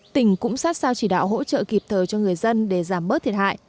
tỉnh cũng sát sao chỉ đạo hỗ trợ kịp thời cho người dân để giảm bớt thiệt hại